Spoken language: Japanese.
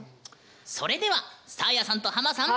それではサーヤさんとハマさん